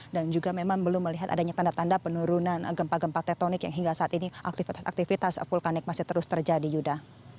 dan juga memang belum melihat adanya tanda tanda penurunan gempa gempa tektonik yang hingga saat ini aktivitas aktivitas vulkanik masih terus terjadi yuda